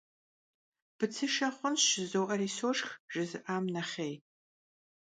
Bıdzışşe xhunş, jjızo'eri soşşx, jjızı'am nexhêy.